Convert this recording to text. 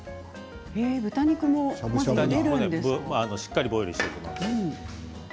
しっかりボイルしていきます。